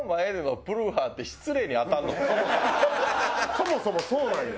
そもそもそうなんや。